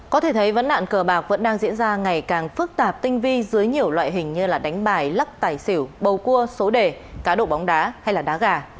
có thể thấy vấn nạn cờ bạc vẫn đang diễn ra ngày càng phức tạp tinh vi dưới nhiều loại hình như đánh bài lắc tài xỉu bầu cua số đề cá độ bóng đá hay đá gà